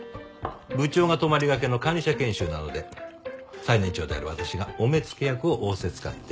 部長が泊まりがけの管理者研修なので最年長である私がお目付け役を仰せつかっています。